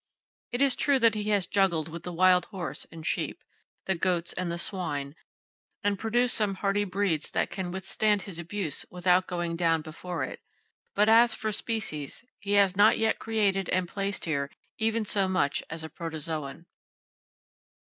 It is true that he has juggled with the wild horse and sheep, the goats and the swine, and produced some hardy breeds that can withstand his abuse without going down before it; but as for species, he has not yet created and placed here even so much as a protozoan.